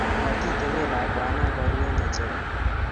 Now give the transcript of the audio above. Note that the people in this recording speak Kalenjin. Matiteben lakwano kiru eng' ng'echere